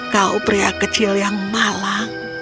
kau pria kecil yang malang